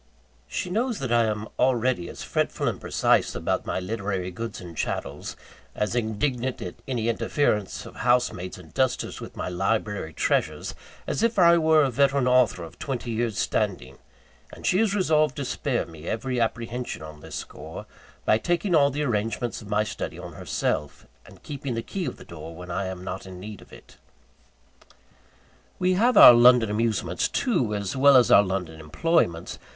She knows that I am already as fretful and precise about my literary goods and chattels, as indignant at any interference of housemaids and dusters with my library treasures, as if I were a veteran author of twenty years' standing; and she is resolved to spare me every apprehension on this score, by taking all the arrangements of my study on herself, and keeping the key of the door when I am not in need of it. We have our London amusements, too, as well as our London employments.